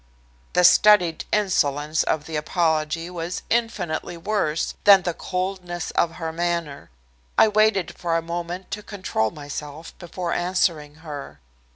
The studied insolence of the apology was infinitely worse than the coldness of her manner. I waited for a moment to control myself before answering her.